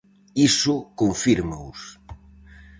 Iso confírmaos.